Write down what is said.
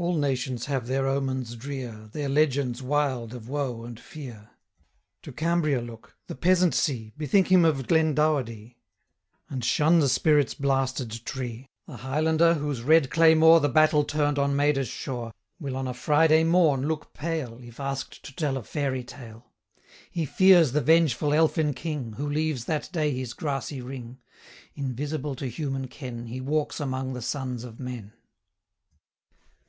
All nations have their omens drear, 155 Their legends wild of woe and fear. To Cambria look the peasant see, Bethink him of Glendowerdy, And shun 'the Spirit's Blasted Tree.' The Highlander, whose red claymore 160 The battle turn'd on Maida's shore, Will, on a Friday morn, look pale, If ask'd to tell a fairy tale: He fears the vengeful Elfin King, Who leaves that day his grassy ring: 165 Invisible to human ken, He walks among the sons of men.